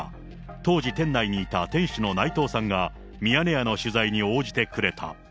当時、店内にいた店主の内藤さんが、ミヤネ屋の取材に応じてくれた。